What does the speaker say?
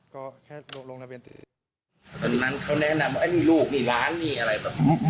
ตอนนั้นเขาแนะนำลูกนี่ร้านนี่อะไรป่ะ